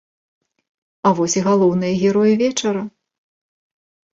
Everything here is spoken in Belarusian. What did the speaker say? А вось і галоўныя героі вечара.